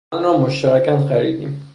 آن را مشترکا خریدیم.